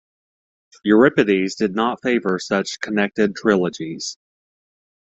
Euripides did not favor such connected trilogies.